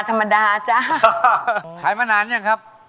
ชื่อจริงชื่อว่าพาทิสนัทกำลังพักครับ